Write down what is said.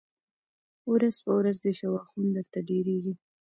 ورځ په ورځ دي شواخون درته ډېرېږی